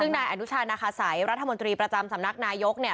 ซึ่งนายอนุชานาคาสัยรัฐมนตรีประจำสำนักนายกเนี่ย